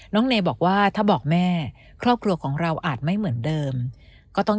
เนบอกว่าถ้าบอกแม่ครอบครัวของเราอาจไม่เหมือนเดิมก็ต้อง